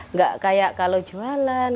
nggak kayak kalau jualan